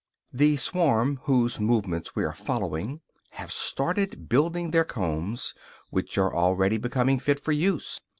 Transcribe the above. The swarm whose movements we are following have started building their combs, which are already becoming fit for use.